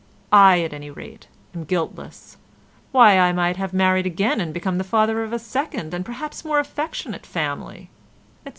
I, at any rate, am guiltless. Why, I might have married again and become the father of a second and perhaps more affectionate family, etc.